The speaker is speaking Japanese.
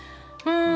うん。